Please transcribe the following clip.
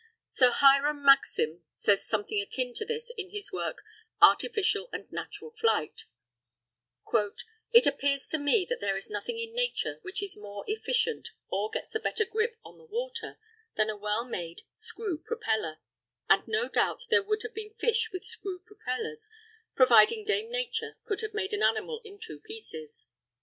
Sir Hiram Maxim says something akin to this in his work, Artificial and Natural Flight: "It appears to me that there is nothing in Nature which is more efficient, or gets a better grip on the water, than a well made screw propeller; and no doubt there would have been fish with screw propellers, providing Dame Nature could have made an animal in two pieces.